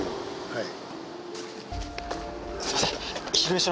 はい。